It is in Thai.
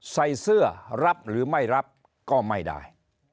ใส่เสื้อรับหรือไม่รับก็ไม่ได้